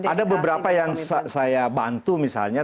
ada beberapa yang saya bantu misalnya